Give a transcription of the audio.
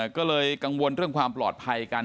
ก็เลยกังวลเรื่องความปลอดภัยกัน